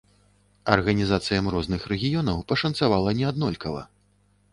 Арганізацыям розных рэгіёнаў пашанцавала неаднолькава.